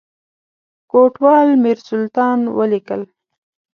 کوټوال میرسلطان ولیکل.